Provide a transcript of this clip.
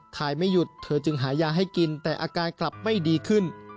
ถ่ายไม่หยุดเธอจึงหายาให้กินแต่อาการกลับไม่ดีขึ้น